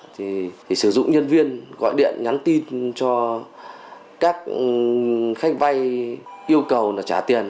thì sử dụng nhân viên gọi điện nhắn tin cho các khách vay yêu cầu là trả tiền